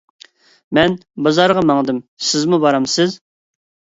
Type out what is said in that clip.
مەن بازارغا ماڭدىم، سىزمۇ بارمسىز؟